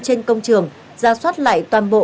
trên công trường ra soát lại toàn bộ